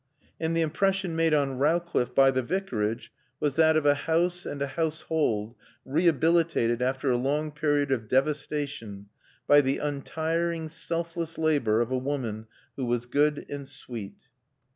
And the impression made on Rowcliffe by the Vicarage was that of a house and a household rehabilitated after a long period of devastation, by the untiring, selfless labor of a woman who was good and sweet.